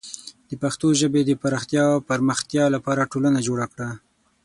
د پښتو ژبې د پراختیا او پرمختیا لپاره ټولنه جوړه کړه.